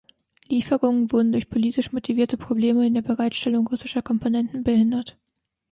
Lieferungen wurden durch politisch motivierte Probleme in der Bereitstellung russischer Komponenten behindert.